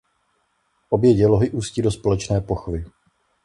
Obě dělohy ústí do společné pochvy.